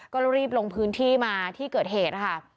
ก็รีบลงพื้นที่มาที่เกิดเหตุนะคะ